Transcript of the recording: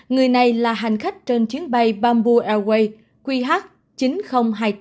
người này là hành khách trên chuyến bay bamboo airways qh chín nghìn hai mươi tám